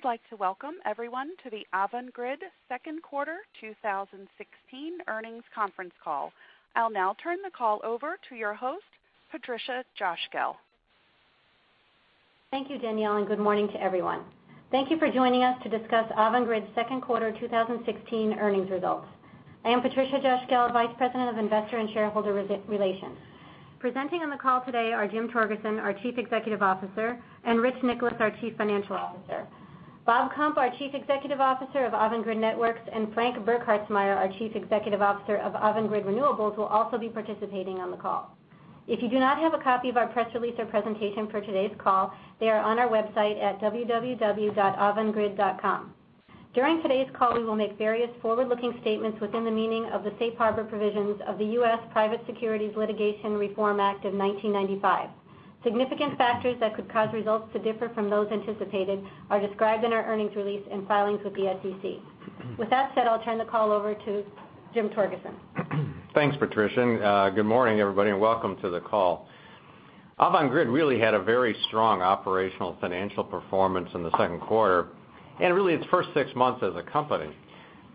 We'd like to welcome everyone to the Avangrid second quarter 2016 earnings conference call. I'll now turn the call over to your host, Patricia Cosgel. Thank you, Danielle, and good morning to everyone. Thank you for joining us to discuss Avangrid's second quarter 2016 earnings results. I am Patricia Cosgel, vice president of investor and shareholder relations. Presenting on the call today are Jim Torgerson, our chief executive officer, and Rich Nicholas, our chief financial officer. Bob Kump, our chief executive officer of Avangrid Networks, and Frank Burkhartsmeyer, our chief executive officer of Avangrid Renewables, will also be participating on the call. If you do not have a copy of our press release or presentation for today's call, they are on our website at www.avangrid.com. During today's call, we will make various forward-looking statements within the meaning of the safe harbor provisions of the U.S. Private Securities Litigation Reform Act of 1995. Significant factors that could cause results to differ from those anticipated are described in our earnings release and filings with the SEC. With that said, I'll turn the call over to Jim Torgerson. Thanks, Patricia, and good morning, everybody, and welcome to the call. Avangrid really had a very strong operational financial performance in the second quarter, and really its first six months as a company.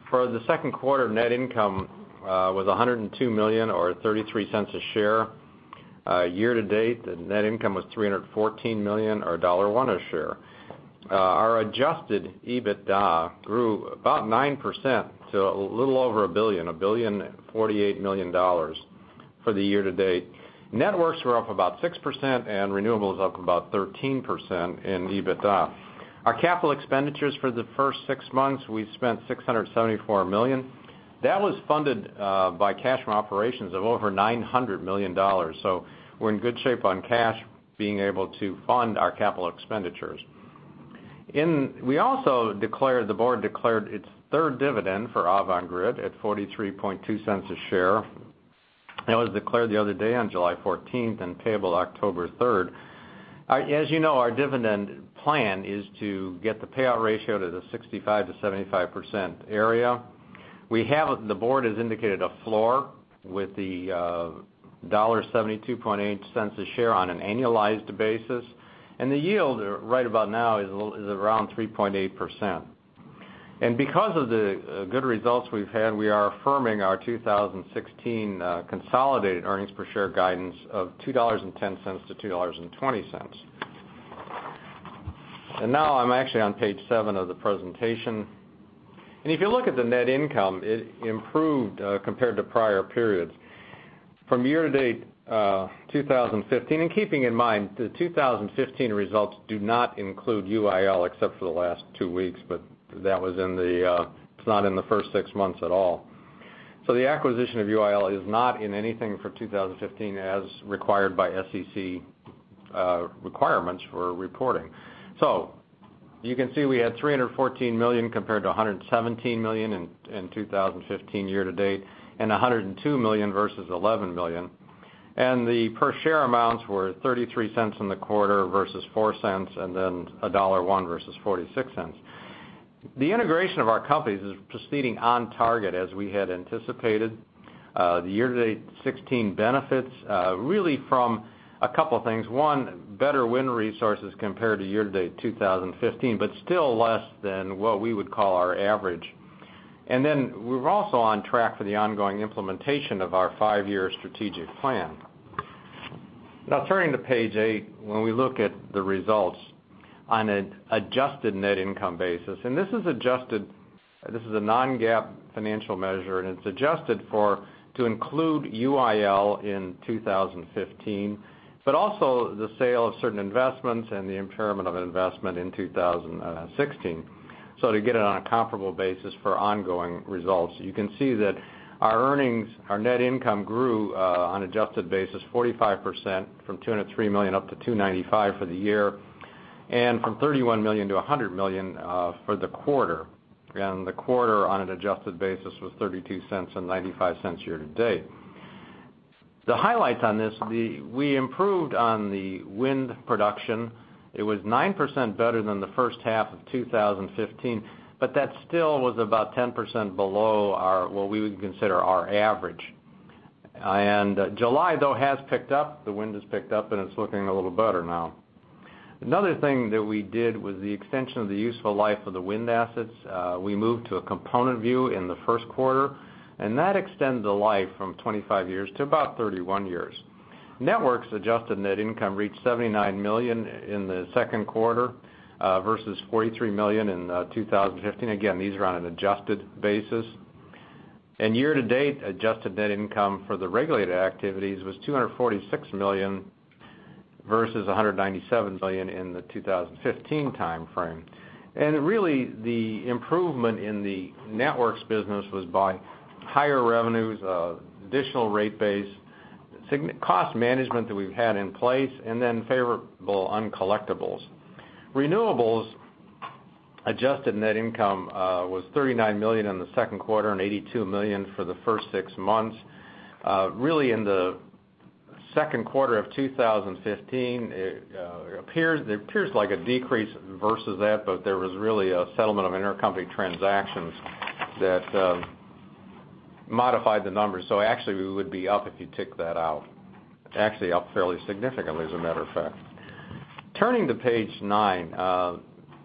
For the second quarter, net income was $102 million, or $0.33 a share. Year-to-date, the net income was $314 million, or $1.01 a share. Our adjusted EBITDA grew about 9% to a little over a billion, $1.048 billion for the year-to-date. Networks were up about 6%, and Renewables up about 13% in EBITDA. Our capital expenditures for the first six months, we spent $674 million. That was funded by cash from operations of over $900 million. We're in good shape on cash, being able to fund our capital expenditures. We also declared, the board declared, its third dividend for Avangrid at $0.432 a share. That was declared the other day on July 14th and payable October 3rd. As you know, our dividend plan is to get the payout ratio to the 65%-75% area. The board has indicated a floor with the $1.728 a share on an annualized basis, and the yield right about now is around 3.8%. Because of the good results we've had, we are affirming our 2016 consolidated EPS guidance of $2.10-$2.20. Now I'm actually on page seven of the presentation. If you look at the net income, it improved compared to prior periods. From year-to-date 2015, and keeping in mind the 2015 results do not include UIL except for the last two weeks, but that was not in the first six months at all. The acquisition of UIL is not in anything for 2015 as required by SEC requirements for reporting. You can see we had $314 million compared to $117 million in 2015 year-to-date, and $102 million versus $11 million. The per share amounts were $0.33 in the quarter versus $0.04, and $1.01 versus $0.46. The integration of our companies is proceeding on target as we had anticipated. The year-to-date 2016 benefits really from a couple things. One, better wind resources compared to year-to-date 2015, but still less than what we would call our average. We're also on track for the ongoing implementation of our five-year strategic plan. Turning to page eight, when we look at the results on an adjusted net income basis, and this is adjusted, this is a non-GAAP financial measure, and it's adjusted to include UIL in 2015, but also the sale of certain investments and the impairment of an investment in 2016. To get it on a comparable basis for ongoing results, you can see that our earnings, our net income grew on adjusted basis 45% from $203 million up to $295 million for the year, and from $31 million to $100 million for the quarter. The quarter on an adjusted basis was $0.32 and $0.95 year-to-date. The highlights on this, we improved on the wind production. It was 9% better than the first half of 2015, but that still was about 10% below what we would consider our average. July, though, has picked up. The wind has picked up, and it's looking a little better now. Another thing that we did was the extension of the useful life of the wind assets. We moved to a component view in the first quarter, and that extended the life from 25 years to about 31 years. Networks adjusted net income reached $79 million in the second quarter versus $43 million in 2015. Again, these are on an adjusted basis. Year-to-date adjusted net income for the regulated activities was $246 million versus $197 million in the 2015 timeframe. Really, the improvement in the networks business was by higher revenues, additional rate base, cost management that we've had in place, and favorable uncollectibles. Renewables adjusted net income was $39 million in the second quarter and $82 million for the first six months. In the second quarter of 2015, it appears like a decrease versus that, there was really a settlement of intercompany transactions that modified the numbers. Actually, we would be up if you took that out. Actually up fairly significantly, as a matter of fact. Turning to page nine.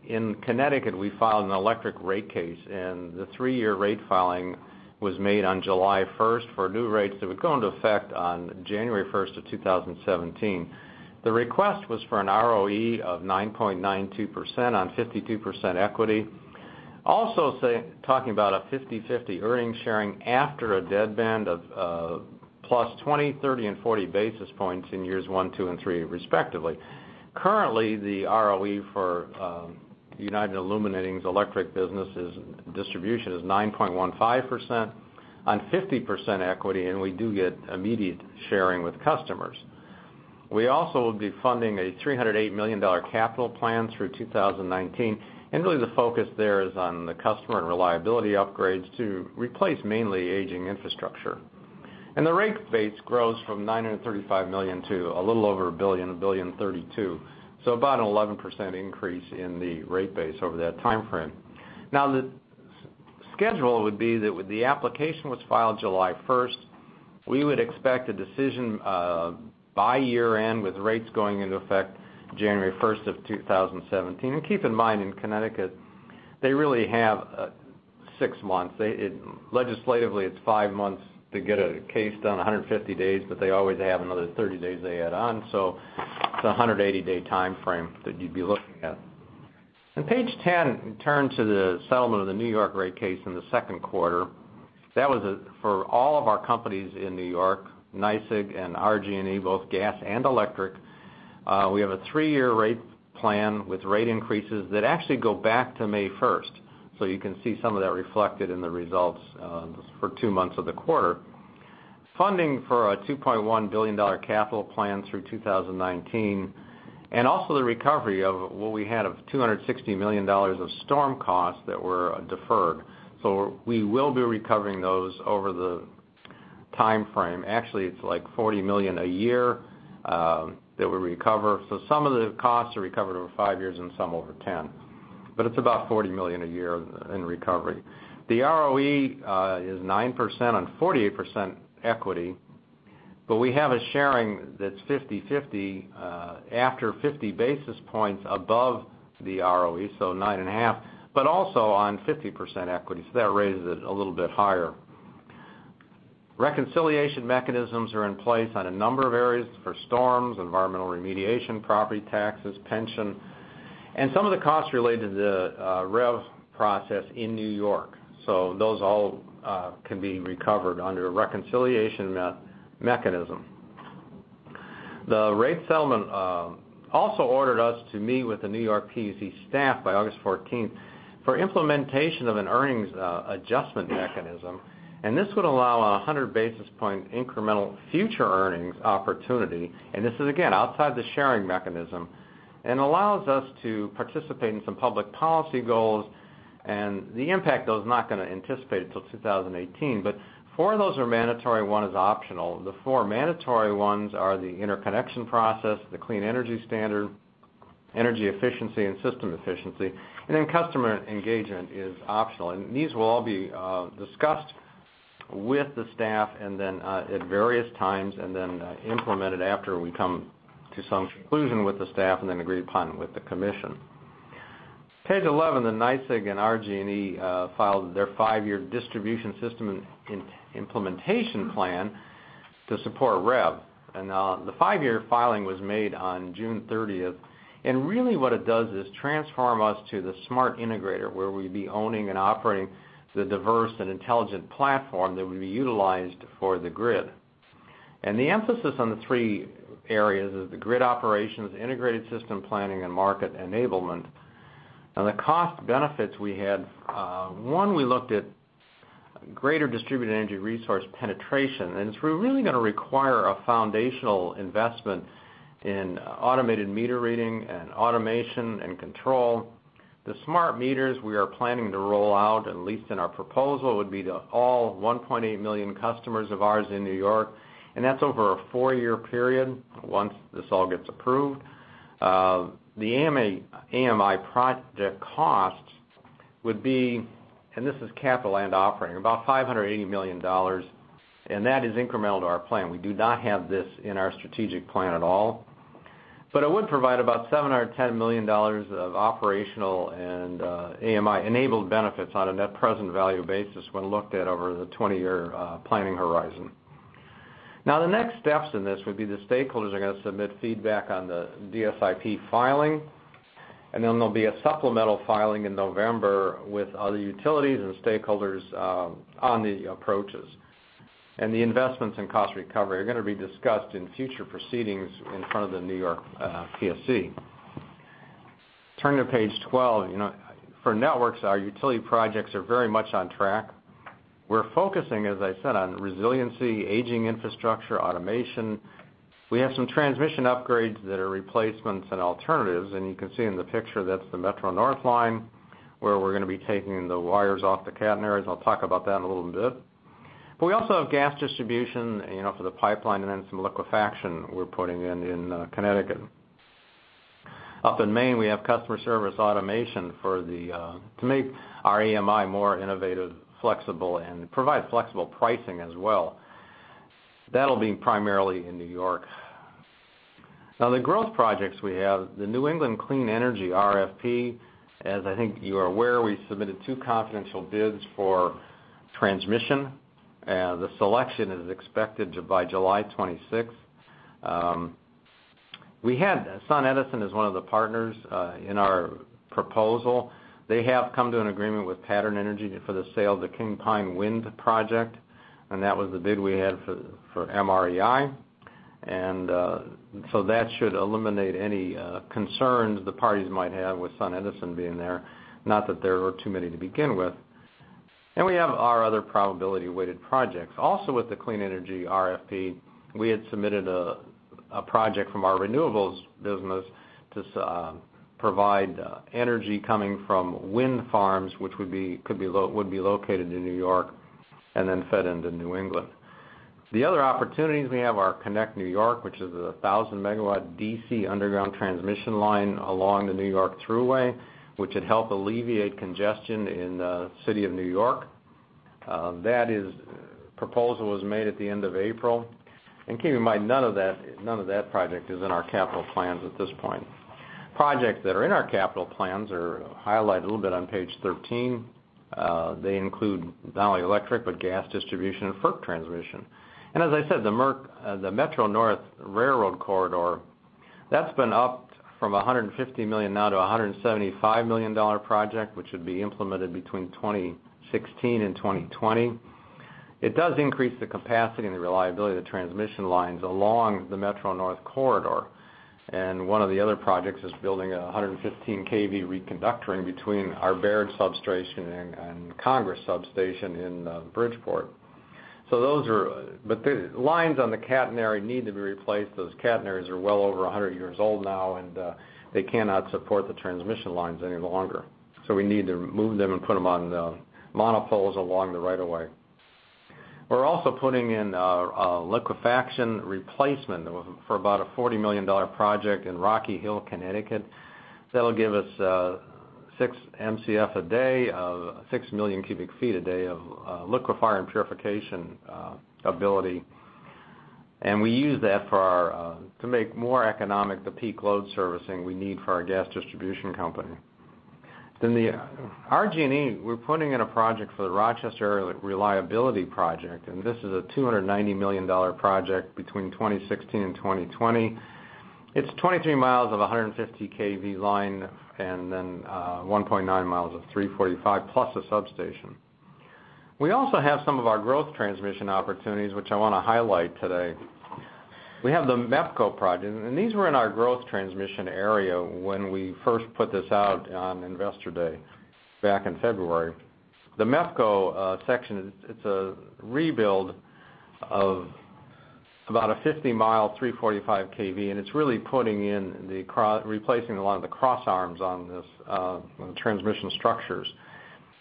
In Connecticut, we filed an electric rate case, and the three-year rate filing was made on July 1st for new rates that would go into effect on January 1st of 2017. The request was for an ROE of 9.92% on 52% equity. Also talking about a 50/50 earnings sharing after a deadband of plus 20, 30, and 40 basis points in years one, two, and three, respectively. Currently, the ROE for United Illuminating's electric business's distribution is 9.15% on 50% equity, and we do get immediate sharing with customers. We also will be funding a $308 million capital plan through 2019, the focus there is on the customer and reliability upgrades to replace mainly aging infrastructure. The rate base grows from $935 million to a little over $1 billion, $1.032 billion. About an 11% increase in the rate base over that timeframe. Now, the schedule would be that the application was filed July 1st. We would expect a decision by year-end, with rates going into effect January 1st of 2017. Keep in mind, in Connecticut, they really have six months. Legislatively, it's five months to get a case done, 150 days, they always have another 30 days they add on, so it's a 180-day timeframe that you'd be looking at. On page 10, turn to the settlement of the New York rate case in the second quarter. That was for all of our companies in New York, NYSEG and RG&E, both gas and electric. We have a three-year rate plan with rate increases that actually go back to May 1st, so you can see some of that reflected in the results for two months of the quarter. Funding for a $2.1 billion capital plan through 2019, also the recovery of what we had of $260 million of storm costs that were deferred. We will be recovering those over the timeframe. Actually, it's like $40 million a year that we recover. Some of the costs are recovered over five years and some over 10. It's about $40 million a year in recovery. The ROE is 9% on 48% equity, we have a sharing that's 50/50 after 50 basis points above the ROE, so 9.5%, also on 50% equity. That raises it a little bit higher. Reconciliation mechanisms are in place on a number of areas for storms, environmental remediation, property taxes, pension, and some of the costs related to the REV process in New York. Those all can be recovered under a reconciliation mechanism. The rate settlement also ordered us to meet with the New York PSC staff by August 14th for implementation of an earnings adjustment mechanism, this would allow a 100-basis point incremental future earnings opportunity. This is, again, outside the sharing mechanism and allows us to participate in some public policy goals. The impact of those is not going to anticipate until 2018. Four of those are mandatory, one is optional. The four mandatory ones are the interconnection process, the clean energy standard, energy efficiency, and system efficiency, and then customer engagement is optional. These will all be discussed with the staff at various times, then implemented after we come to some conclusion with the staff and then agreed upon with the commission. Page 11, the NYSEG and RG&E filed their 5-year Distribution System Implementation Plan to support REV. The 5-year filing was made on June 30th, and really what it does is transform us to the smart integrator, where we'd be owning and operating the diverse and intelligent platform that would be utilized for the grid. The emphasis on the three areas is the grid operations, integrated system planning, and market enablement. The cost benefits we had, one, we looked at greater distributed energy resource penetration, and it's really going to require a foundational investment in automated meter reading and automation and control. The smart meters we are planning to roll out, at least in our proposal, would be to all 1.8 million customers of ours in New York, and that's over a 4-year period once this all gets approved. The AMI project cost would be, and this is capital and operating, about $580 million, and that is incremental to our plan. We do not have this in our strategic plan at all. It would provide about $710 million of operational and AMI-enabled benefits on a net present value basis when looked at over the 20-year planning horizon. The next steps in this would be the stakeholders are going to submit feedback on the DSIP filing, and then there'll be a supplemental filing in November with other utilities and stakeholders on the approaches. The investments in cost recovery are going to be discussed in future proceedings in front of the New York PSC. Turning to page 12. For networks, our utility projects are very much on track. We're focusing, as I said, on resiliency, aging infrastructure, automation. We have some transmission upgrades that are replacements and alternatives, and you can see in the picture, that's the Metro-North line, where we're going to be taking the wires off the catenaries. I'll talk about that in a little bit. We also have gas distribution for the pipeline and then some liquefaction we're putting in in Connecticut. Up in Maine, we have customer service automation to make our AMI more innovative, flexible, and provide flexible pricing as well. That'll be primarily in New York. The growth projects we have, the New England Clean Energy RFP, as I think you are aware, we submitted two confidential bids for transmission. The selection is expected by July 26th. SunEdison is one of the partners in our proposal. They have come to an agreement with Pattern Energy for the sale of the King Pine Wind project, and that was the bid we had for MREI. So that should eliminate any concerns the parties might have with SunEdison being there, not that there were too many to begin with. We have our other probability weighted projects. Also with the Clean Energy RFP, we had submitted a project from our renewables business to provide energy coming from wind farms, which would be located in New York and then fed into New England. The other opportunities we have are Connect New York, which is a 1,000-megawatt DC underground transmission line along the New York Thruway, which would help alleviate congestion in the city of New York. That proposal was made at the end of April. Keep in mind, none of that project is in our capital plans at this point. Projects that are in our capital plans are highlighted a little bit on page 13. They include not only electric, but gas distribution and FERC transmission. As I said, the Metro-North Railroad Corridor, that's been upped from a $150 million now to $175 million project, which would be implemented between 2016 and 2020. It does increase the capacity and the reliability of the transmission lines along the Metro-North Corridor. One of the other projects is building a 115 kV reconductoring between our Baird Substation and Congress Street Substation in Bridgeport. The lines on the catenary need to be replaced. Those catenaries are well over 100 years old now, they cannot support the transmission lines any longer. We need to move them and put them on monopoles along the right of way. We're also putting in a liquefaction replacement for about a $40 million project in Rocky Hill, Connecticut. That'll give us 6 MCF a day, 6 million cubic feet a day of liquefier and purification ability. We use that to make more economic the peak load servicing we need for our gas distribution company. The RG&E, we're putting in a project for the Rochester Area Reliability Project, this is a $290 million project between 2016 and 2020. It's 23 miles of 150 kV line, then 1.9 miles of 345, plus a substation. We also have some of our growth transmission opportunities, which I want to highlight today. We have the MEPCO project, these were in our growth transmission area when we first put this out on Investor Day back in February. The MEPCO section, it's a rebuild of about a 50-mile 345 kV, it's really replacing a lot of the cross arms on the transmission structures.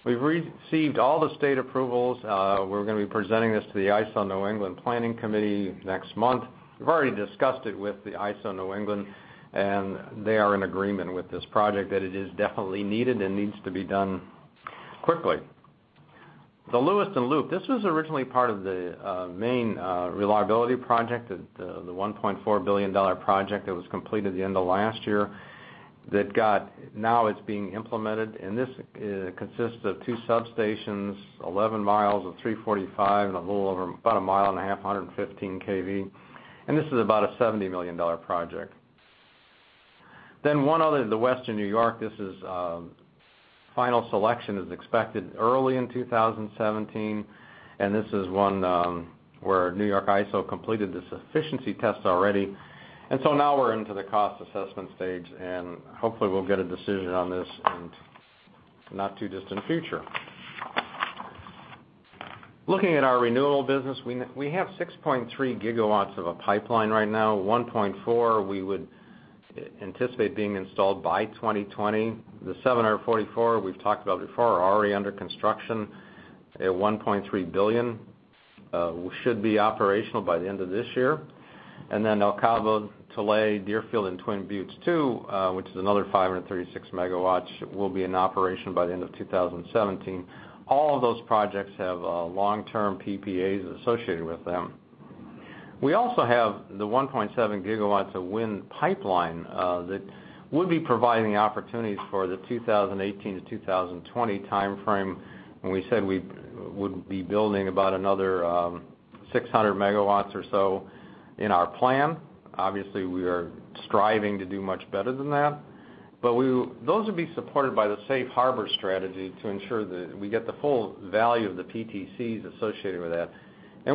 We've received all the state approvals. We're going to be presenting this to the ISO New England planning committee next month. We've already discussed it with the ISO New England, they are in agreement with this project, that it is definitely needed and needs to be done quickly. The Lewiston Loop, this was originally part of the Maine Power Reliability Program, the $1.4 billion project that was completed the end of last year. Now it's being implemented, this consists of two substations, 11 miles of 345, a little over about a mile and a half, 115 kV. This is about a $70 million project. One other, the Western New York. Final selection is expected early in 2017, this is one where New York ISO completed the sufficiency test already. So now we're into the cost assessment stage, hopefully we'll get a decision on this in the not-too-distant future. Looking at our renewables business, we have 6.3 gigawatts of a pipeline right now, 1.4 we would anticipate being installed by 2020. The 744, we've talked about before, are already under construction at $1.3 billion, should be operational by the end of this year. El Cabo, Tule, Deerfield and Twin Buttes 2, which is another 536 megawatts, will be in operation by the end of 2017. All of those projects have long-term PPAs associated with them. We also have the 1.7 GW of wind pipeline that would be providing opportunities for the 2018-2020 timeframe, when we said we would be building about another 600 MW or so in our plan. Obviously, we are striving to do much better than that. Those would be supported by the safe harbor strategy to ensure that we get the full value of the PTCs associated with that.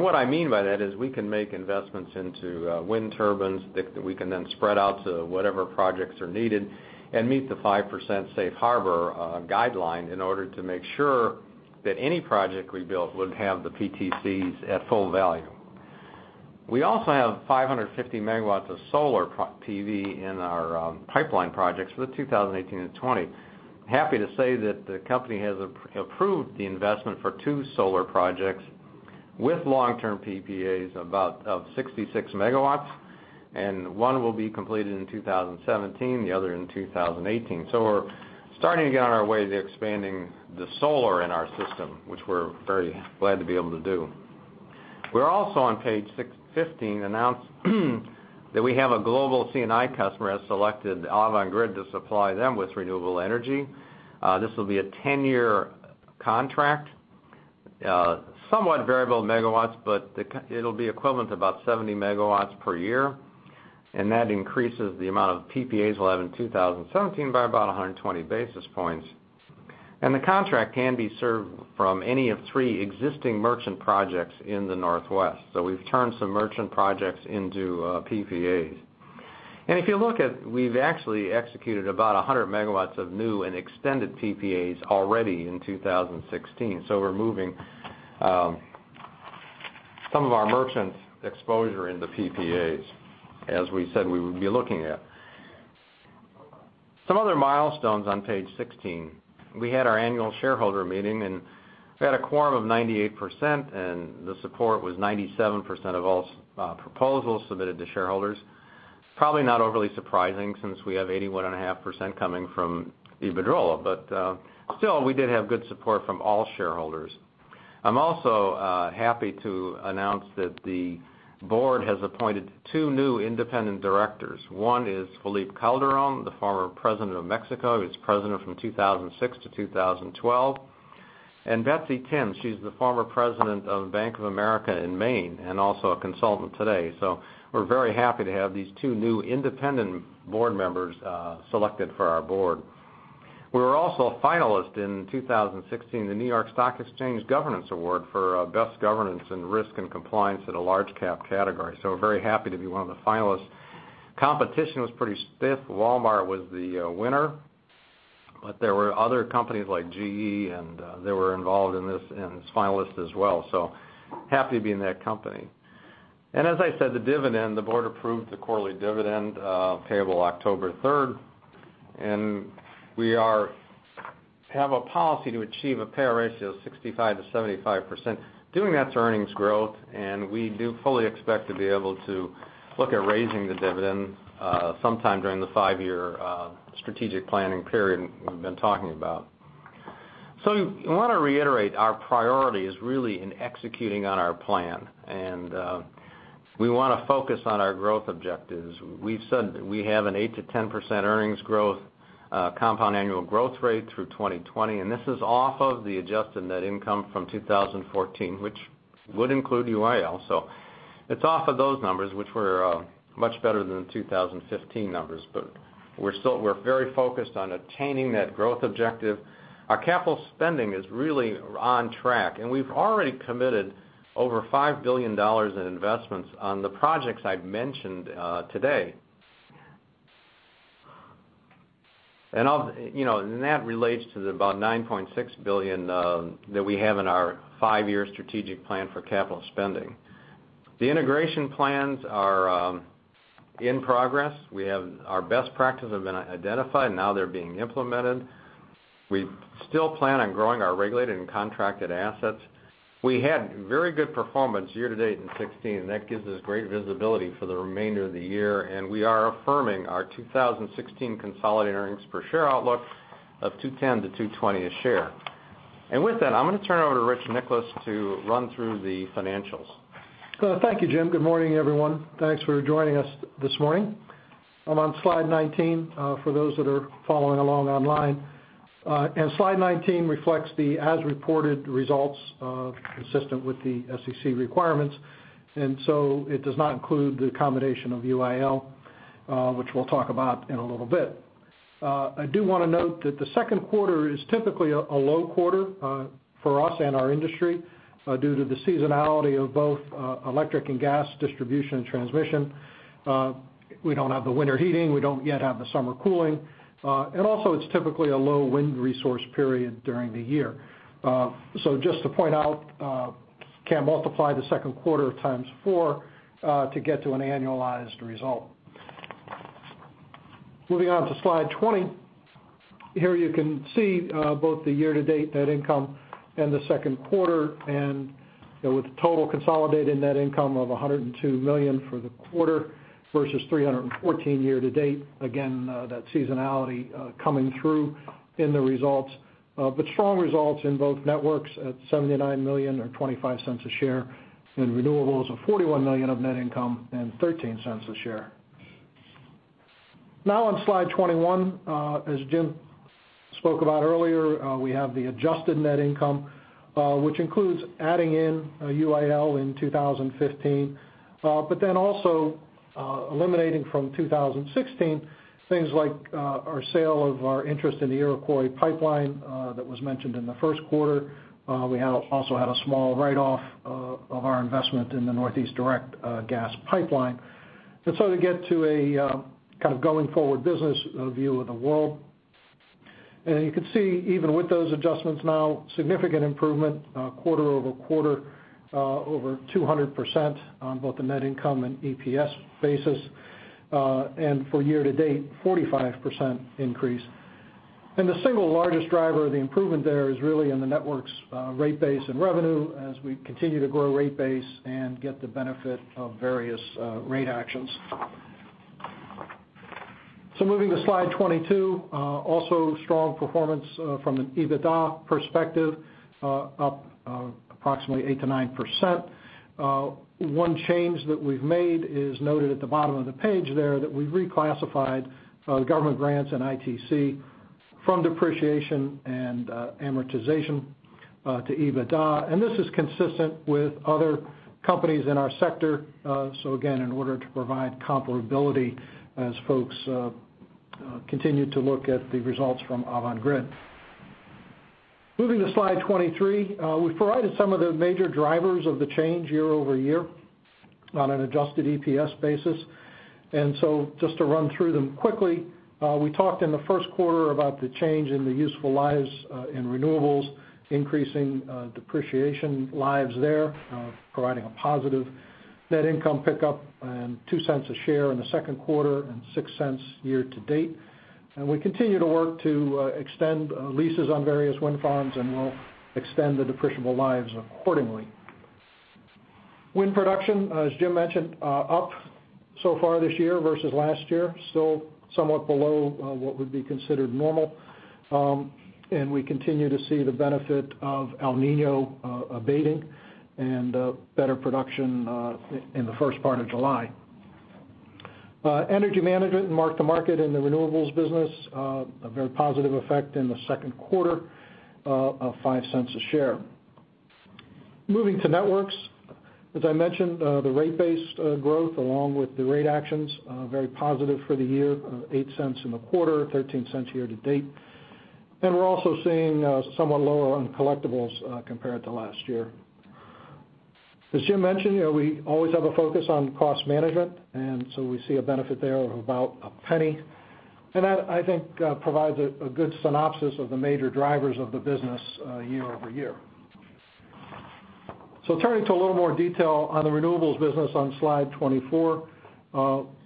What I mean by that is we can make investments into wind turbines that we can then spread out to whatever projects are needed and meet the 5% safe harbor guideline in order to make sure that any project we built would have the PTCs at full value. We also have 550 MW of solar PV in our pipeline projects for the 2018 and 2020. I'm happy to say that the company has approved the investment for 2 solar projects With long-term PPAs of about 66 MW, and one will be completed in 2017, the other in 2018. We're starting to get on our way to expanding the solar in our system, which we're very glad to be able to do. We're also on page 15, announced that we have a global C&I customer that has selected Avangrid to supply them with renewable energy. This will be a 10-year contract. Somewhat variable megawatts, but it'll be equivalent to about 70 MW per year, and that increases the amount of PPAs we'll have in 2017 by about 120 basis points. The contract can be served from any of three existing merchant projects in the Northwest. We've turned some merchant projects into PPAs. If you look at, we've actually executed about 100 MW of new and extended PPAs already in 2016. We're moving some of our merchant exposure into PPAs, as we said we would be looking at. Some other milestones on page 16. We had our annual shareholder meeting, we had a quorum of 98%, the support was 97% of all proposals submitted to shareholders. Probably not overly surprising since we have 81.5% coming from Iberdrola. Still, we did have good support from all shareholders. I'm also happy to announce that the board has appointed 2 new independent directors. One is Felipe Calderón, the former President of Mexico. He was President from 2006-2012. Betsy Timm, she's the former President of Bank of America in Maine and also a consultant today. We're very happy to have these 2 new independent board members selected for our board. We were also a finalist in 2016, the New York Stock Exchange Governance Award for best governance in risk and compliance at a large cap category. We're very happy to be one of the finalists. Competition was pretty stiff. Walmart was the winner, but there were other companies like GE, they were involved in this, and as finalists as well. Happy to be in their company. As I said, the dividend, the board approved the quarterly dividend payable October 3rd, we have a policy to achieve a payout ratio of 65%-75%, doing that to earnings growth. We do fully expect to be able to look at raising the dividend sometime during the five-year strategic planning period we've been talking about. I want to reiterate our priority is really in executing on our plan. We want to focus on our growth objectives. We've said we have an 8%-10% earnings growth, compound annual growth rate through 2020, and this is off of the adjusted net income from 2014, which would include UIL. It's off of those numbers, which were much better than the 2015 numbers, but we're very focused on attaining that growth objective. Our capital spending is really on track, and we've already committed over $5 billion in investments on the projects I've mentioned today. That relates to the about $9.6 billion that we have in our five-year strategic plan for capital spending. The integration plans are in progress. We have our best practices have been identified. Now they're being implemented. We still plan on growing our regulated and contracted assets. We had very good performance year-to-date in 2016. That gives us great visibility for the remainder of the year. We are affirming our 2016 consolidated earnings per share outlook of $2.10-$2.20 a share. With that, I'm going to turn it over to Rich Nicholas to run through the financials. Thank you, Jim. Good morning, everyone. Thanks for joining us this morning. I'm on slide 19 for those that are following along online. Slide 19 reflects the as-reported results consistent with the SEC requirements. It does not include the accommodation of UIL, which we'll talk about in a little bit. I do want to note that the second quarter is typically a low quarter for us and our industry due to the seasonality of both electric and gas distribution and transmission. We don't have the winter heating. We don't yet have the summer cooling. Also, it's typically a low wind resource period during the year. Just to point out, can't multiply the second quarter times four to get to an annualized result. Moving on to slide 20. Here you can see both the year-to-date net income and the second quarter, with total consolidated net income of $102 million for the quarter versus $314 year-to-date. Again, that seasonality coming through in the results. Strong results in both networks at $79 million or $0.25 a share, and renewables of $41 million of net income and $0.13 a share. Now on slide 21, as Jim spoke about earlier, we have the adjusted net income, which includes adding in UIL in 2015, also eliminating from 2016 things like our sale of our interest in the Iroquois Pipeline that was mentioned in the first quarter. We also had a small write-off of our investment in the Northeast Direct Gas pipeline. To get to a kind of going-forward business view of the world. You can see even with those adjustments now, significant improvement quarter-over-quarter, over 200% on both the net income and EPS basis. For year-to-date, 45% increase. The single largest driver of the improvement there is really in the Networks rate base and revenue, as we continue to grow rate base and get the benefit of various rate actions. Moving to slide 22, also strong performance from an EBITDA perspective, up approximately 8%-9%. One change that we've made is noted at the bottom of the page there, that we've reclassified government grants and ITC from depreciation and amortization to EBITDA. This is consistent with other companies in our sector. Again, in order to provide comparability as folks continue to look at the results from Avangrid. Moving to slide 23, we've provided some of the major drivers of the change year-over-year on an adjusted EPS basis. Just to run through them quickly, we talked in the first quarter about the change in the useful lives in renewables, increasing depreciation lives there, providing a positive net income pickup and $0.02 a share in the second quarter, and $0.06 year-to-date. We continue to work to extend leases on various wind farms, and we'll extend the depreciable lives accordingly. Wind production, as Jim mentioned, up so far this year versus last year. Still somewhat below what would be considered normal. We continue to see the benefit of El Niño abating and better production in the first part of July. Energy management and mark-to-market in the renewables business, a very positive effect in the second quarter of $0.05 a share. Moving to Networks. As I mentioned, the rate-based growth along with the rate actions, very positive for the year, $0.08 in the quarter, $0.13 year-to-date. We're also seeing somewhat lower uncollectibles compared to last year. As Jim mentioned, we always have a focus on cost management, so we see a benefit there of about $0.01. That, I think, provides a good synopsis of the major drivers of the business year-over-year. Turning to a little more detail on the renewables business on slide 24.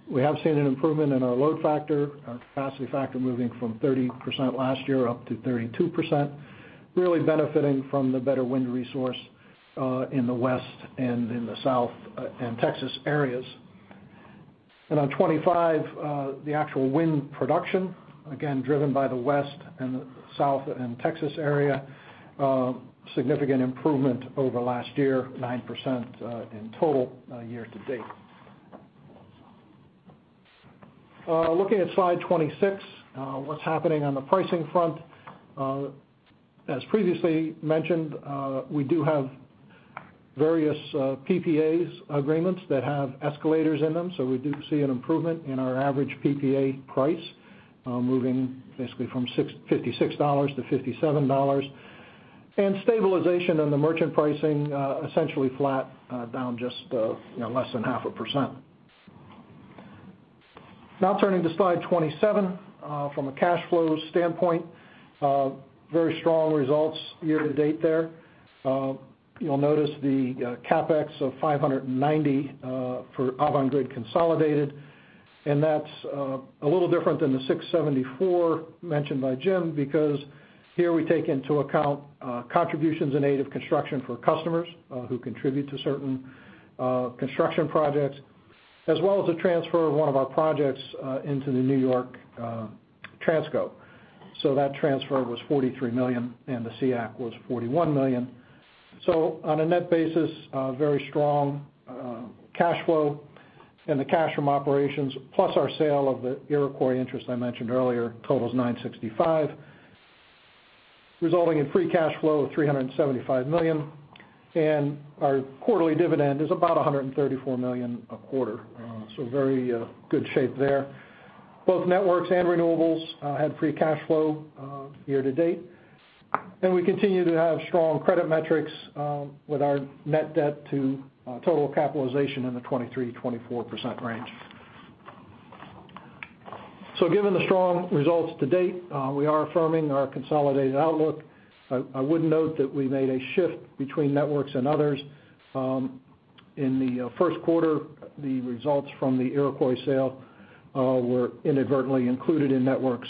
We have seen an improvement in our load factor, our capacity factor moving from 30% last year up to 32%, really benefiting from the better wind resource in the West and in the South and Texas areas. On 25, the actual wind production, again, driven by the West and the South and Texas area, significant improvement over last year, 9% in total year-to-date. Looking at slide 26, what's happening on the pricing front. As previously mentioned, we do have various PPAs agreements that have escalators in them, so we do see an improvement in our average PPA price, moving basically from $56 to $57. Stabilization on the merchant pricing, essentially flat, down just less than half a percent. Turning to slide 27. From a cash flow standpoint, very strong results year-to-date there. You'll notice the CapEx of $590 for Avangrid consolidated, that's a little different than the $674 mentioned by Jim because here we take into account contributions in aid of construction for customers who contribute to certain construction projects, as well as the transfer of one of our projects into the New York Transco. That transfer was $43 million, and the CIAC was $41 million. On a net basis, very strong cash flow. The cash from operations, plus our sale of the Iroquois interest I mentioned earlier, totals $965, resulting in free cash flow of $375 million. Our quarterly dividend is about $134 million a quarter. Very good shape there. Both networks and renewables had free cash flow year-to-date. We continue to have strong credit metrics with our net debt to total capitalization in the 23%-24% range. Given the strong results to date, we are affirming our consolidated outlook. I would note that we made a shift between networks and others. In the first quarter, the results from the Iroquois sale were inadvertently included in networks.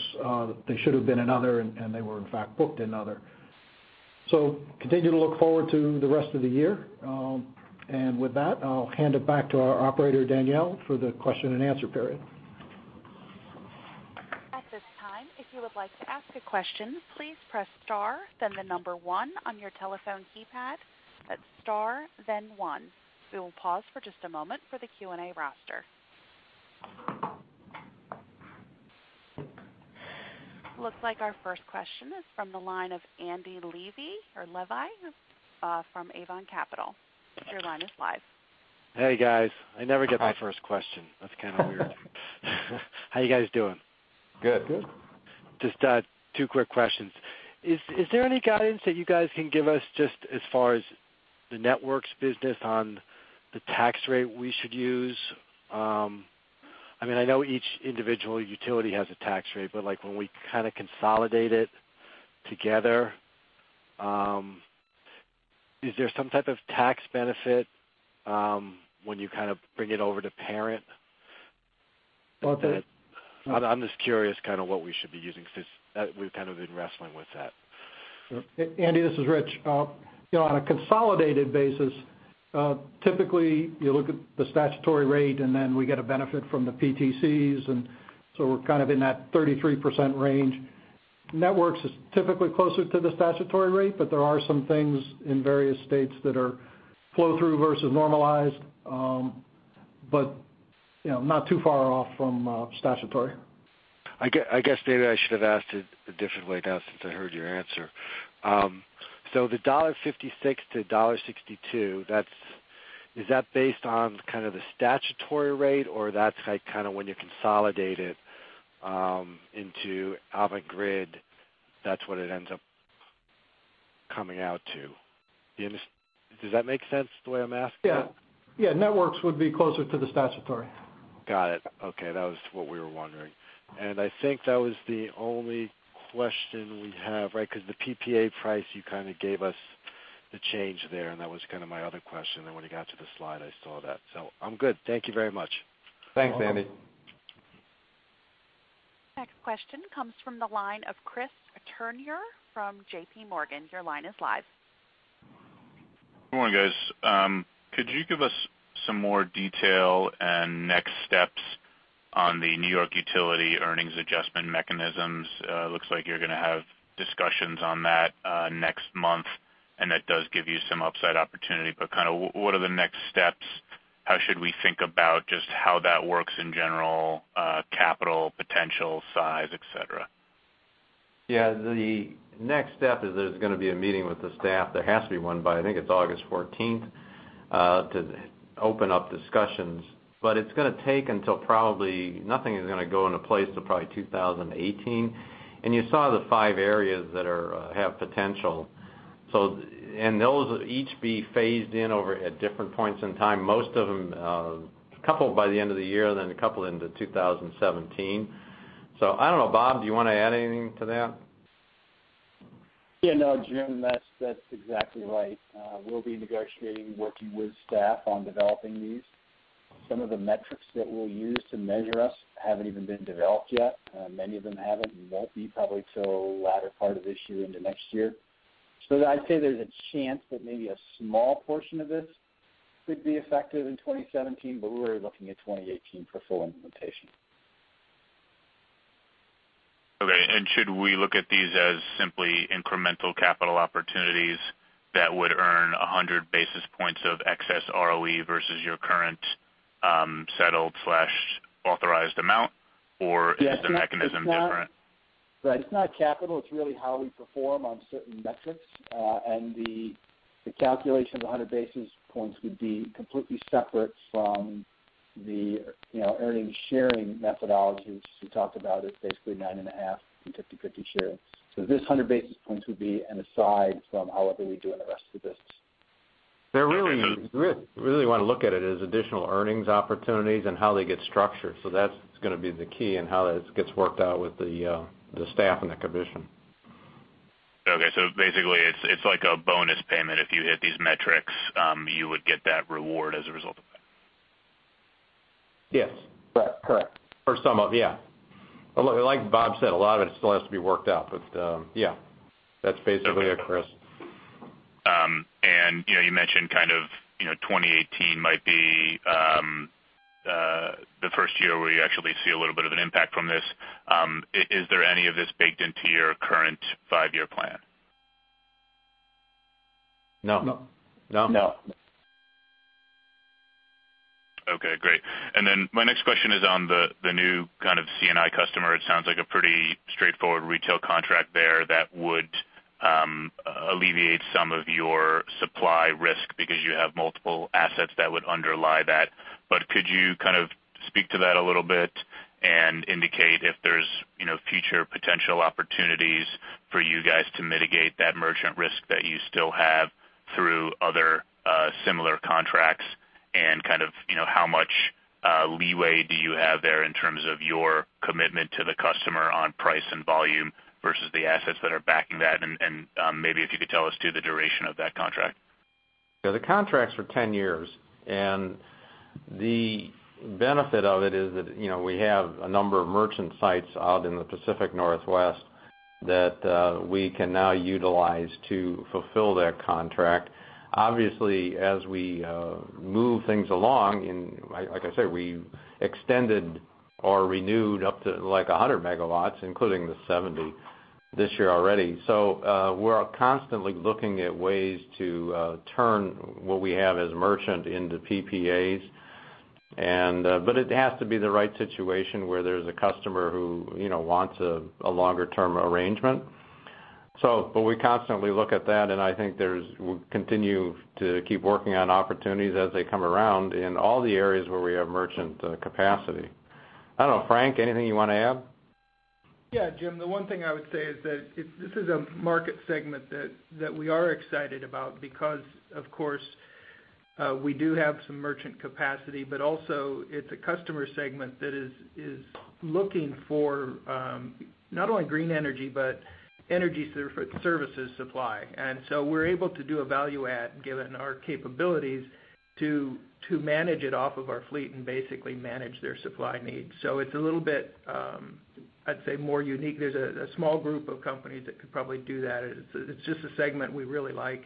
They should have been in other, and they were, in fact, booked in other. Continue to look forward to the rest of the year. With that, I'll hand it back to our operator, Danielle, for the question and answer period. At this time, if you would like to ask a question, please press star, then the number one on your telephone keypad. That's star, then one. We will pause for just a moment for the Q&A roster. Looks like our first question is from the line of Andrew Levi from Avon Capital. Your line is live. Hey, guys. I never get my first question. That's kind of weird. How you guys doing? Good. Good. Just two quick questions. Is there any guidance that you guys can give us just as far as the Networks business on the tax rate we should use? I know each individual utility has a tax rate, but when we kind of consolidate it together, is there some type of tax benefit when you bring it over to parent? About the- I'm just curious what we should be using since we've been wrestling with that. Andy, this is Rich. On a consolidated basis, typically you look at the statutory rate, and then we get a benefit from the PTCs, and so we're in that 33% range. Networks is typically closer to the statutory rate, but there are some things in various states that are flow-through versus normalized. Not too far off from statutory. I guess maybe I should have asked it a different way now since I heard your answer. The $1.56-$1.62, is that based on the statutory rate, or that's when you consolidate it into Avangrid, that's what it ends up coming out to? Does that make sense the way I'm asking? Yeah. Networks would be closer to the statutory. Got it. Okay. That was what we were wondering. I think that was the only question we have, right? Because the PPA price, you gave us the change there, and that was my other question. When you got to the slide, I saw that. I'm good. Thank you very much. Thanks, Andy. Next question comes from the line of Christopher Turnure from JPMorgan. Your line is live. Good morning, guys. Could you give us some more detail and next steps on the New York utility earnings adjustment mechanisms? Looks like you're going to have discussions on that next month, that does give you some upside opportunity. What are the next steps? How should we think about just how that works in general, capital potential, size, et cetera? Yeah. The next step is there's going to be a meeting with the staff. There has to be one by, I think it's August 14th, to open up discussions. It's going to take until probably, nothing is going to go into place till probably 2018. You saw the five areas that have potential. Those will each be phased in over at different points in time. Most of them, a couple by the end of the year, then a couple into 2017. I don't know, Bob, do you want to add anything to that? Yeah, no, Jim, that's exactly right. We'll be negotiating, working with staff on developing these. Some of the metrics that we'll use to measure us haven't even been developed yet. Many of them haven't, and won't be probably till the latter part of this year into next year. I'd say there's a chance that maybe a small portion of this could be effective in 2017, but we're really looking at 2018 for full implementation. Okay. Should we look at these as simply incremental capital opportunities that would earn 100 basis points of excess ROE versus your current settled/authorized amount, or is the mechanism different? Right. It's not capital. It's really how we perform on certain metrics. The calculation of the 100 basis points would be completely separate from the earnings sharing methodology, which we talked about is basically nine and a half and 50/50 sharing. This 100 basis points would be an aside from however we do in the rest of the business. You really want to look at it as additional earnings opportunities and how they get structured. That's going to be the key in how this gets worked out with the staff and the commission. Okay. Basically, it's like a bonus payment if you hit these metrics, you would get that reward as a result of that. Yes. Correct. For some of it, yeah. Like Bob said, a lot of it still has to be worked out. Yeah, that's basically it, Chris. You mentioned kind of 2018 might be the first year where you actually see a little bit of an impact from this. Is there any of this baked into your current five-year plan? No. No. No? No. Okay, great. Then my next question is on the new kind of C&I customer. It sounds like a pretty straightforward retail contract there that would alleviate some of your supply risk because you have multiple assets that would underlie that. Could you speak to that a little bit and indicate if there's future potential opportunities for you guys to mitigate that merchant risk that you still have through other similar contracts? How much leeway do you have there in terms of your commitment to the customer on price and volume versus the assets that are backing that? Maybe if you could tell us, too, the duration of that contract. Yeah, the contract's for 10 years. The benefit of it is that we have a number of merchant sites out in the Pacific Northwest that we can now utilize to fulfill that contract. Obviously, as we move things along, like I said, we extended or renewed up to 100 megawatts, including the 70 this year already. We're constantly looking at ways to turn what we have as merchant into PPAs. It has to be the right situation where there's a customer who wants a longer-term arrangement. We constantly look at that, and I think we'll continue to keep working on opportunities as they come around in all the areas where we have merchant capacity. I don't know, Frank, anything you want to add? Yeah, Jim, the one thing I would say is that this is a market segment that we are excited about because, of course, we do have some merchant capacity, but also it's a customer segment that is looking for not only green energy, but energy services supply. We're able to do a value add, given our capabilities to manage it off of our fleet and basically manage their supply needs. It's a little bit, I'd say, more unique. There's a small group of companies that could probably do that. It's just a segment we really like,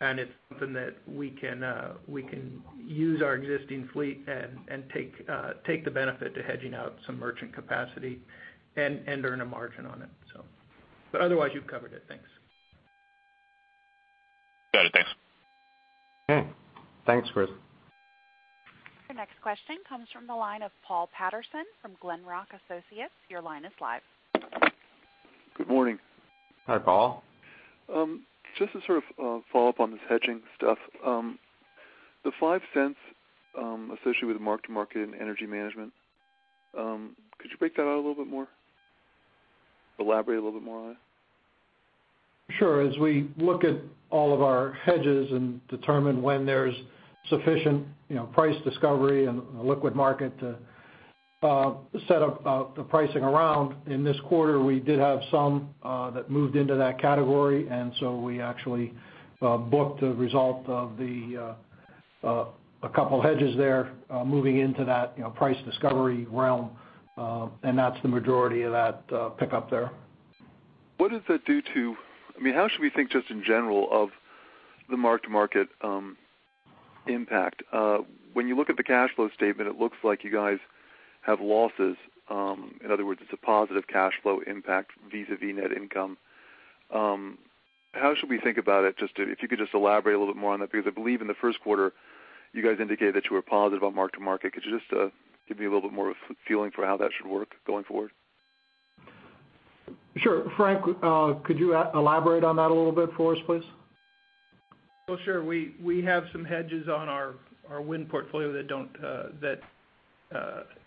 and it's something that we can use our existing fleet and take the benefit to hedging out some merchant capacity and earn a margin on it. Otherwise, you've covered it. Thanks. Got it. Thanks. Okay. Thanks, Chris. Your next question comes from the line of Paul Patterson from Glenrock Associates. Your line is live. Good morning. Hi, Paul. Just to sort of follow up on this hedging stuff. The $0.05 associated with mark-to-market and energy management, could you break that out a little bit more? Elaborate a little bit more on that? Sure. As we look at all of our hedges and determine when there's sufficient price discovery and a liquid market to set up the pricing around, in this quarter, we did have some that moved into that category, so we actually booked a result of a couple hedges there, moving into that price discovery realm. That's the majority of that pickup there. How should we think, just in general, of the mark-to-market impact? When you look at the cash flow statement, it looks like you guys have losses. In other words, it's a positive cash flow impact vis-a-vis net income. How should we think about it? If you could just elaborate a little bit more on that, because I believe in the first quarter, you guys indicated that you were positive on mark-to-market. Could you just give me a little bit more of a feeling for how that should work going forward? Sure. Frank, could you elaborate on that a little bit for us, please? Well, sure. We have some hedges on our wind portfolio that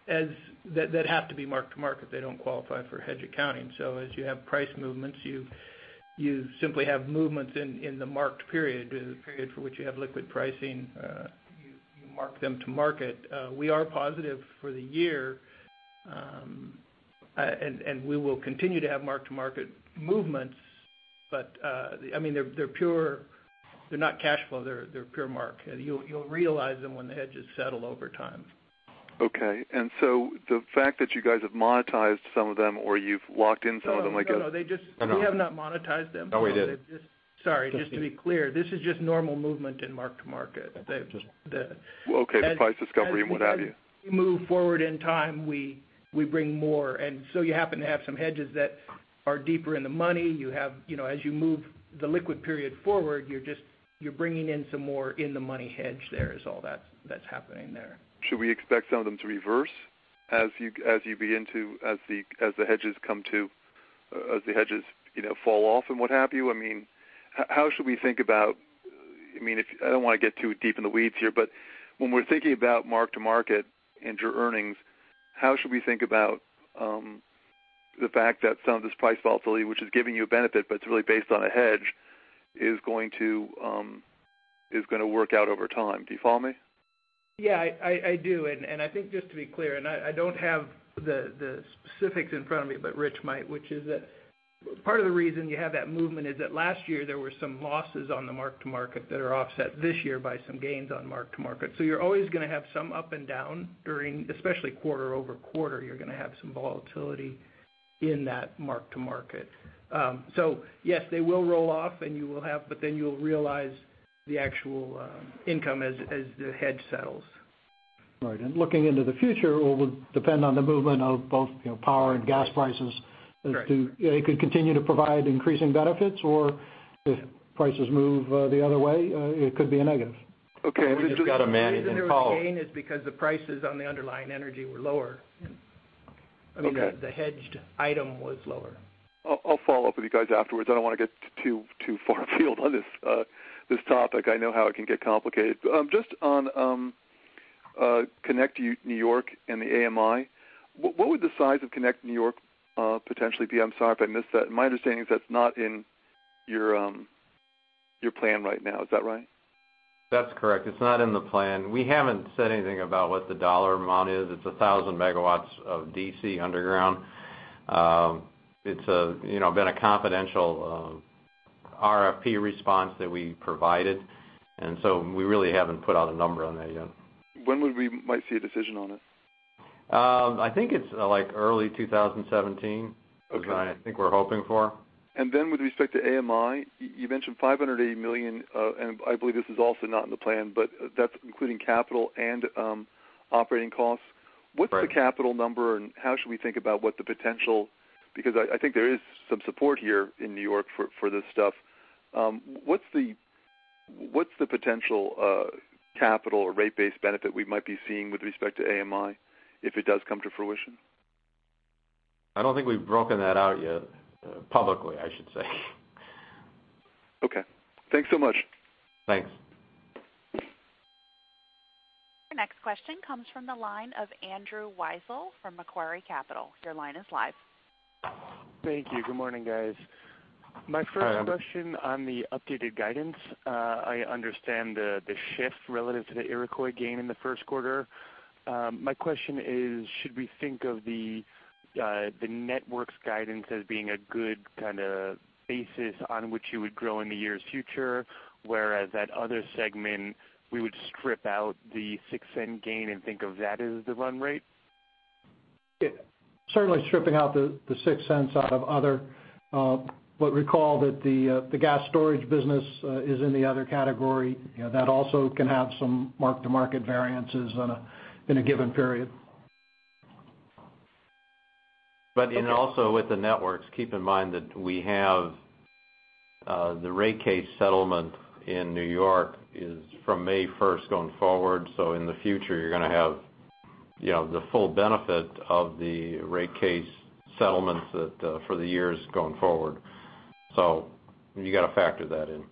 have to be mark-to-market. They don't qualify for hedge accounting. As you have price movements, you simply have movements in the marked period, the period for which you have liquid pricing. You mark them to market. We are positive for the year. We will continue to have mark-to-market movements, but they're not cash flow, they're pure mark. You'll realize them when the hedges settle over time. Okay. The fact that you guys have monetized some of them, or you've locked in some of them. No, we have not monetized them. No, we didn't. Sorry, just to be clear, this is just normal movement in mark-to-market. Okay. The price discovery and what have you. As we move forward in time, we bring more. You happen to have some hedges that are deeper in the money. As you move the liquid period forward, you're bringing in some more in-the-money hedge there, is all that's happening there. Should we expect some of them to reverse as the hedges fall off and what have you? I don't want to get too deep in the weeds here, but when we're thinking about mark-to-market and your earnings, how should we think about the fact that some of this price volatility, which is giving you a benefit but it's really based on a hedge, is going to work out over time? Do you follow me? Yeah, I do. I think, just to be clear, I don't have the specifics in front of me, but Rich might, which is that part of the reason you have that movement is that last year there were some losses on the mark-to-market that are offset this year by some gains on mark-to-market. You're always going to have some up and down during, especially quarter-over-quarter, you're going to have some volatility in that mark-to-market. Yes, they will roll off, and you will have, but then you'll realize the actual income as the hedge settles. Right. Looking into the future, it would depend on the movement of both power and gas prices. Right. It could continue to provide increasing benefits, or if prices move the other way, it could be a negative. Okay. You've just got to manage the power. The reason there was a gain is because the prices on the underlying energy were lower. Okay. I mean, the hedged item was lower. I'll follow up with you guys afterwards. I don't want to get too far afield on this topic. I know how it can get complicated. Just on Connect New York and the AMI. What would the size of Connect New York potentially be? I'm sorry if I missed that. My understanding is that's not in your plan right now. Is that right? That's correct. It's not in the plan. We haven't said anything about what the dollar amount is. It's 1,000 megawatts of DC underground. It's been a confidential RFP response that we provided. We really haven't put out a number on that yet. When would we might see a decision on it? I think it's early 2017- Okay is when I think we're hoping for. Then with respect to AMI, you mentioned $580 million, and I believe this is also not in the plan, but that's including capital and operating costs. Right. What's the capital number, and how should we think about what the potential, because I think there is some support here in New York for this stuff. What's the potential capital or rate base benefit we might be seeing with respect to AMI if it does come to fruition? I don't think we've broken that out yet. Publicly, I should say. Okay. Thanks so much. Thanks. Your next question comes from the line of Andrew Weisel from Macquarie Capital. Your line is live. Thank you. Good morning, guys. Hi, Andrew. My first question on the updated guidance. I understand the shift relative to the Iroquois gain in the first quarter. My question is, should we think of the Networks guidance as being a good kind of basis on which you would grow in the years future, whereas that other segment, we would strip out the $0.06 gain and think of that as the run rate? Certainly stripping out the $0.06 out of other. Recall that the gas storage business is in the other category. That also can have some mark-to-market variances in a given period. Also with the Networks, keep in mind that we have the rate case settlement in New York is from May 1st going forward. In the future, you're going to have the full benefit of the rate case settlements for the years going forward. You got to factor that in.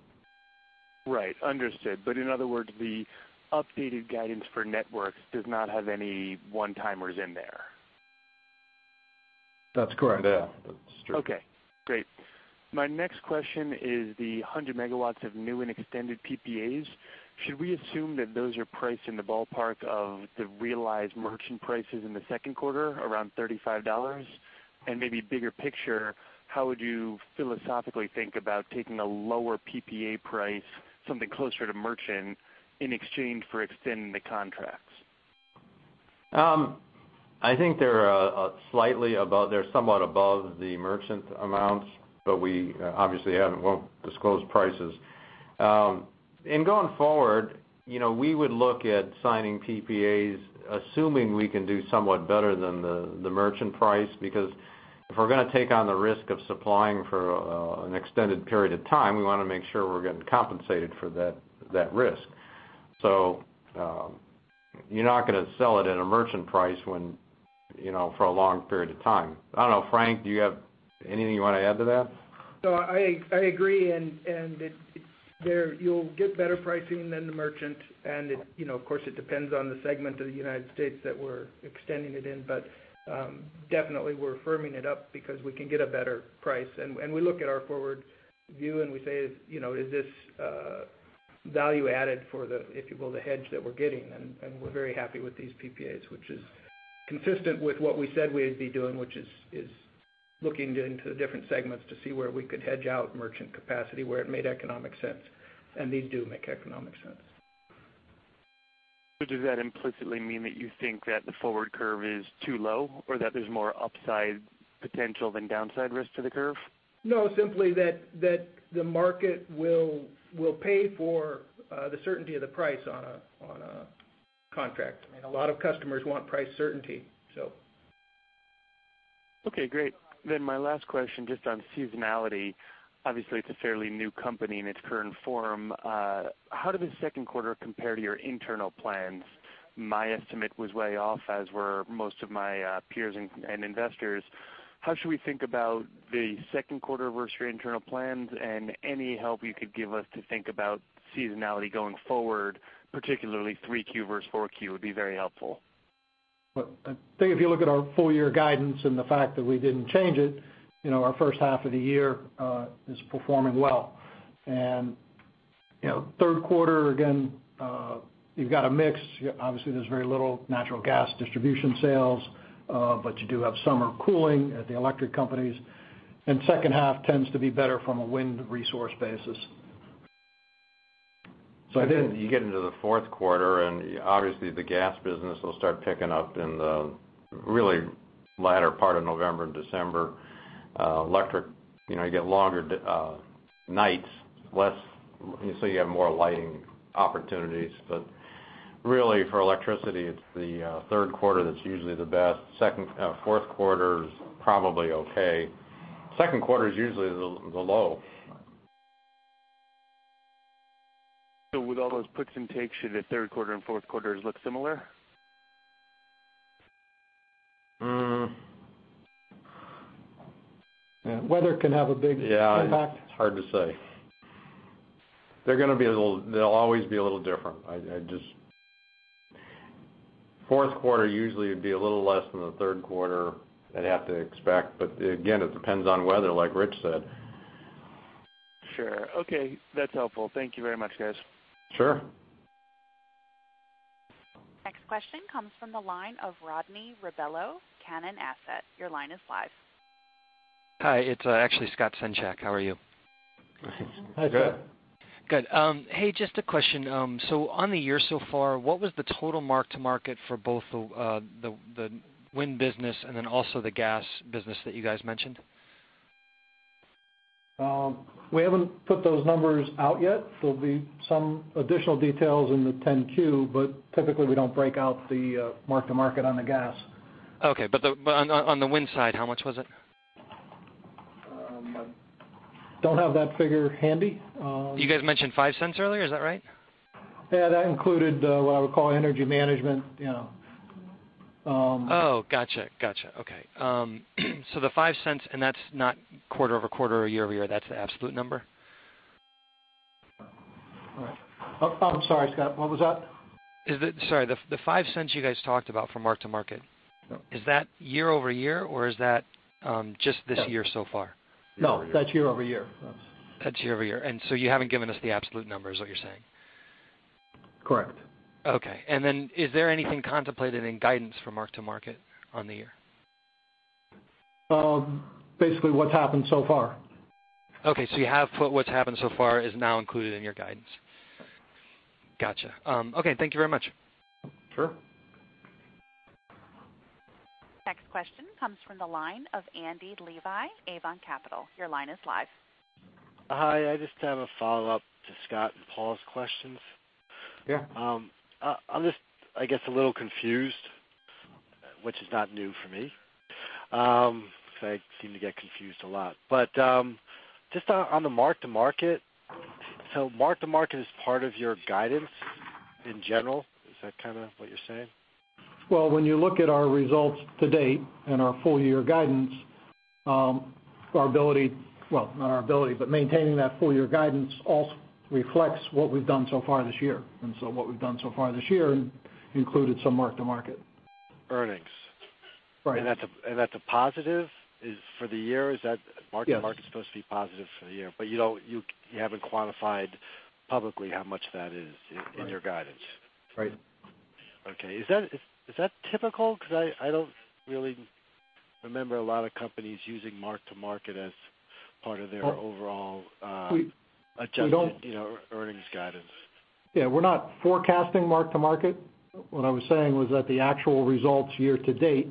Right. Understood. In other words, the updated guidance for Networks does not have any one-timers in there. That's correct. Yeah, that's true. Okay, great. My next question is the 100 MW of new and extended PPAs. Should we assume that those are priced in the ballpark of the realized merchant prices in the second quarter, around $35? Maybe bigger picture, how would you philosophically think about taking a lower PPA price, something closer to merchant, in exchange for extending the contracts? I think they're somewhat above the merchant amounts, but we obviously won't disclose prices. Going forward, we would look at signing PPAs, assuming we can do somewhat better than the merchant price, because if we're going to take on the risk of supplying for an extended period of time, we want to make sure we're getting compensated for that risk. You're not going to sell it at a merchant price for a long period of time. I don't know, Frank, do you have anything you want to add to that? No, I agree, you'll get better pricing than the merchant, and of course it depends on the segment of the United States that we're extending it in. Definitely we're firming it up because we can get a better price. We look at our forward view and we say, "Is this value added for the," if you will, "the hedge that we're getting?" We're very happy with these PPAs, which is consistent with what we said we'd be doing, which is looking into the different segments to see where we could hedge out merchant capacity, where it made economic sense. These do make economic sense. Does that implicitly mean that you think that the forward curve is too low, or that there's more upside potential than downside risk to the curve? No, simply that the market will pay for the certainty of the price on a contract. I mean, a lot of customers want price certainty. Okay, great. My last question, just on seasonality. Obviously, it's a fairly new company in its current form. How did the second quarter compare to your internal plans? My estimate was way off, as were most of my peers and investors. How should we think about the second quarter versus your internal plans and any help you could give us to think about seasonality going forward, particularly three Q versus four Q, would be very helpful. Well, I think if you look at our full-year guidance and the fact that we didn't change it, our first half of the year is performing well. Third quarter, again, you've got a mix. Obviously, there's very little natural gas distribution sales. You do have summer cooling at the electric companies. Second half tends to be better from a wind resource basis. You get into the fourth quarter, and obviously the gas business will start picking up in the really latter part of November and December. Electric, you get longer nights, so you have more lighting opportunities. Really for electricity, it's the third quarter that's usually the best. Fourth quarter's probably okay. Second quarter is usually the low. With all those puts and takes, should the third quarter and fourth quarters look similar? Weather can have a big impact. Yeah, it's hard to say. They'll always be a little different. Fourth quarter usually would be a little less than the third quarter, I'd have to expect. Again, it depends on weather, like Rich said. Sure. Okay, that's helpful. Thank you very much, guys. Sure. Next question comes from the line of Rodney Rebelo, Cannon Asset. Your line is live. Hi, it's actually Scott Senchak. How are you? Hi. Good. Good. Hey, just a question. On the year so far, what was the total mark to market for both the wind business and then also the gas business that you guys mentioned? We haven't put those numbers out yet. There'll be some additional details in the 10-Q, but typically we don't break out the mark to market on the gas. Okay, on the wind side, how much was it? I don't have that figure handy. You guys mentioned $0.05 earlier. Is that right? Yeah, that included what I would call energy management Oh, gotcha. Okay. The $0.05, and that's not quarter-over-quarter or year-over-year, that's the absolute number? All right. I'm sorry, Scott, what was that? Sorry. The $0.05 you guys talked about for mark-to-market. Oh. Is that year-over-year, or is that just this year so far? No, that's year-over-year. That's year-over-year. You haven't given us the absolute number, is what you're saying? Correct. Okay. Is there anything contemplated in guidance for mark-to-market on the year? Basically, what's happened so far. Okay. What's happened so far is now included in your guidance. Gotcha. Okay, thank you very much. Sure. Next question comes from the line of Andy Levi, Avon Capital. Your line is live. Hi. I just have a follow-up to Scott and Paul's questions. Yeah. I'm just, I guess, a little confused, which is not new for me. I seem to get confused a lot. Just on the mark-to-market, so mark-to-market is part of your guidance in general, is that kind of what you're saying? Well, when you look at our results to date and our full-year guidance, our ability, well, not our ability, but maintaining that full-year guidance also reflects what we've done so far this year. What we've done so far this year included some mark-to-market. Earnings. Right. That's a positive for the year? Yes. Is mark-to-market supposed to be positive for the year? You haven't quantified publicly how much that is in your guidance. Right. Okay. Is that typical? I don't really remember a lot of companies using mark-to-market as part of their overall- We don't- adjusted earnings guidance. Yeah, we're not forecasting mark-to-market. What I was saying was that the actual results year to date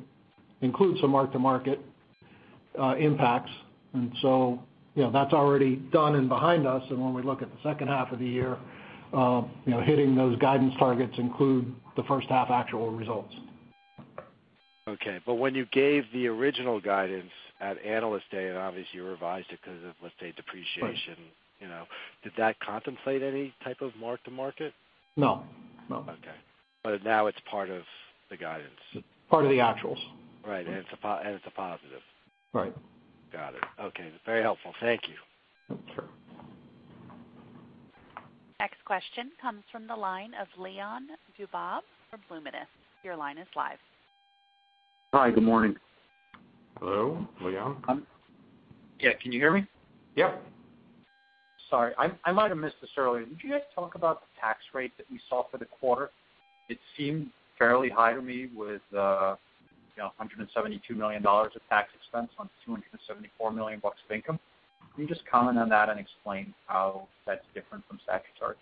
include some mark-to-market impacts. That's already done and behind us, and when we look at the second half of the year, hitting those guidance targets include the first half actual results. Okay. When you gave the original guidance at Analyst Day, and obviously you revised it because of, let's say, depreciation- Right did that contemplate any type of mark-to-market? No. Okay. Now it's part of the guidance. Part of the actuals. Right, it's a positive. Right. Got it. Okay. Very helpful. Thank you. Sure. Next question comes from the line of Leon Dubove from Luminus. Your line is live. Hi, good morning. Hello, Leon. Yeah, can you hear me? Yeah. Sorry, I might have missed this earlier. Did you guys talk about the tax rate that we saw for the quarter? It seemed fairly high to me with $172 million of tax expense on $274 million of income. Can you just comment on that and explain how that's different from statutory?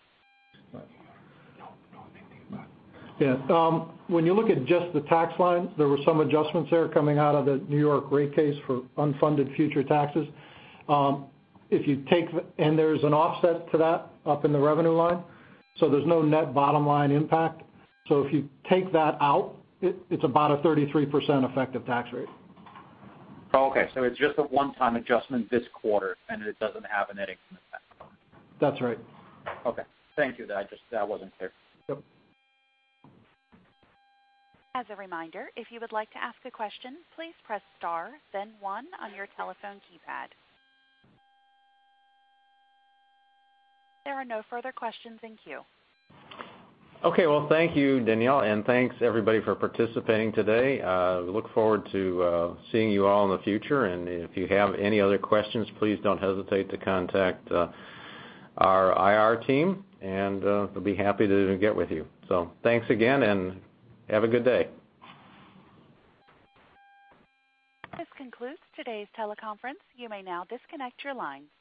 Yeah. When you look at just the tax line, there were some adjustments there coming out of the New York rate case for unfunded future taxes. There's an offset to that up in the revenue line, so there's no net bottom line impact. If you take that out, it's about a 33% effective tax rate. Okay. It's just a one-time adjustment this quarter, and it doesn't have an impact. That's right. Okay. Thank you. That wasn't clear. Yep. As a reminder, if you would like to ask a question, please press star then one on your telephone keypad. There are no further questions in queue. Okay. Well, thank you, Danielle, thanks everybody for participating today. We look forward to seeing you all in the future. If you have any other questions, please don't hesitate to contact our IR team, they'll be happy to get with you. Thanks again, and have a good day. This concludes today's teleconference. You may now disconnect your lines.